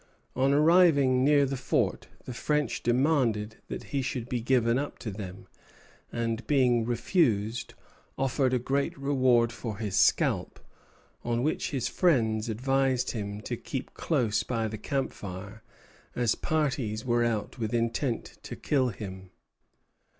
On arriving near the fort, the French demanded that he should be given up to them, and, being refused, offered a great reward for his scalp; on which his friends advised him to keep close by the camp fire, as parties were out with intent to kill him.